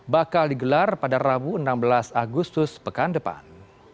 bakal digelar pada rabu enam belas agustus pekan depan